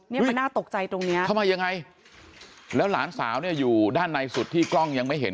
เนี่ยมันน่าตกใจตรงเนี้ยเข้ามายังไงแล้วหลานสาวเนี่ยอยู่ด้านในสุดที่กล้องยังไม่เห็น